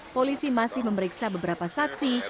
polisi masih memeriksa beberapa saksi